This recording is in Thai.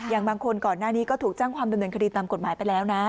อย่างบางคนก่อนหน้านี้ก็ถูกแจ้งความดำเนินคดีตามกฎหมายไปแล้วนะ